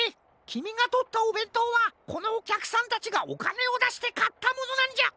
きみがとったおべんとうはこのおきゃくさんたちがおかねをだしてかったものなんじゃ。